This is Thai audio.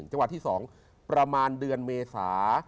จังหวัดที่๒ประมาณเดือนเมษา